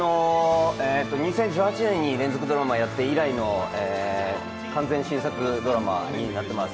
２０１８年に連続ドラマやって以来の完全新作ドラマになっています。